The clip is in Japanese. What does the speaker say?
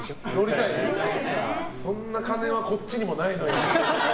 そんな金はこっちにもないのよ。